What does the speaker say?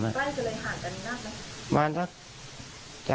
ใกล้จริงห่างกันมากมั้ย